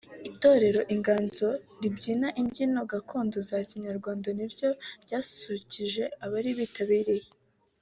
Itorero Inganzo ribyina imbyino gakondo za Kinyarwanda niryo ryasusurukije abari bitabiriye